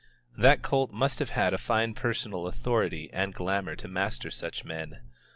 That cult must have had a fine personal authority and glamour to master such men.